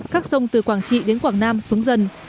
các sông từ quảng trị đến quảng nam xuống dần